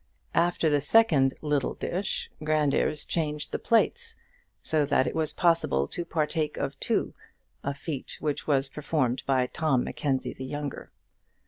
After the second little dish Grandairs changed the plates, so that it was possible to partake of two, a feat which was performed by Tom Mackenzie the younger.